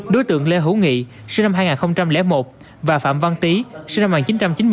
đối tượng lê hữu nghị sơ mạng hai nghìn một và phạm văn tý sơ mạng chín trăm chín mươi hai